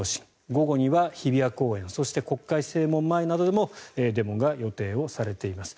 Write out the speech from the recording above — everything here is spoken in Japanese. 午後には日比谷公園そして、国会正門前などでもデモが予定されています。